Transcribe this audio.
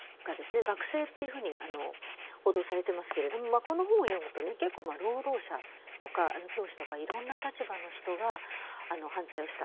学生っていうふうに報道されてますけれどもこの本を読むとね結構労働者とか教師とかいろんな立場の人が反対をした。